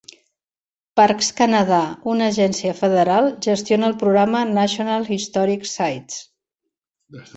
Parks Canada, una agència federal, gestiona el programa National Historic Sites.